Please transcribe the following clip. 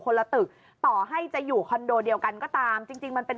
ละตึกต่อให้จะอยู่คอนโดเดียวกันก็ตามจริงจริงมันเป็น